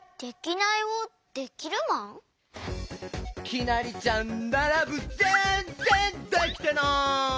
きなりちゃんならぶぜんぜんできてない！